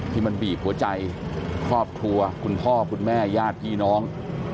ที่มันบีบหัวใจครอบครัวคุณพ่อคุณแม่ญาติพี่น้อง